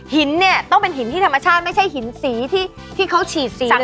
หินเนี่ยต้องเป็นหินที่ธรรมชาติไม่ใช่หินสีที่เขาฉีดสี